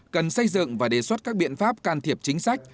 cần xây dựng và đề xuất các biện pháp can thiệp chính sách